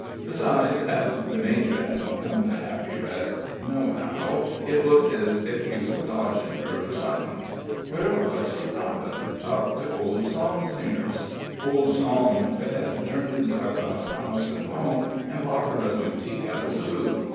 Besides, as the major hedn't come to Happy Rest, nohow, it looked ez if he was dodgin' her for somethin'. Where was she stopping? up to Old Psalmsinger's. Old Psalm bed turned himself out of house an' home, and bought her a new tea kettle to boot.